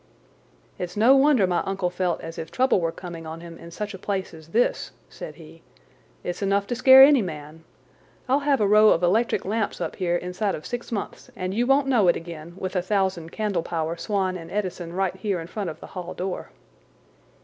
"It's no wonder my uncle felt as if trouble were coming on him in such a place as this," said he. "It's enough to scare any man. I'll have a row of electric lamps up here inside of six months, and you won't know it again, with a thousand candle power Swan and Edison right here in front of the hall door."